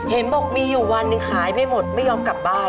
เห็นบอกมีอยู่วันหนึ่งขายไม่หมดไม่ยอมกลับบ้าน